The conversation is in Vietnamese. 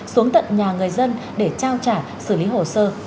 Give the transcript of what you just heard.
xuống tận nhà người dân để trao trả xử lý hồ sơ